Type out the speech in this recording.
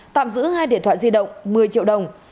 tạm giữ hai điện thoại di động một mươi triệu đồng